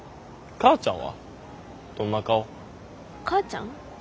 母ちゃん？